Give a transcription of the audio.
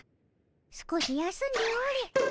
少し休んでおれ。